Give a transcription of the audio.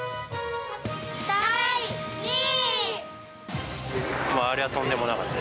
第２位。